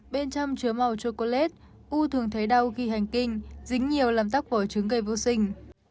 bên trong chứa màu chocolate u thường thấy đau khi hành kinh dính nhiều làm tóc vỏ trứng gây vô sinh